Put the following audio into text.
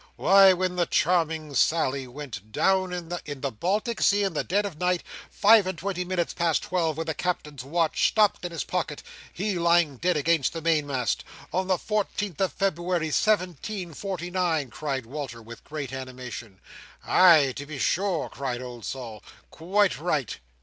Why, when the Charming Sally went down in the—" "In the Baltic Sea, in the dead of night; five and twenty minutes past twelve when the captain's watch stopped in his pocket; he lying dead against the main mast—on the fourteenth of February, seventeen forty nine!" cried Walter, with great animation. "Ay, to be sure!" cried old Sol, "quite right!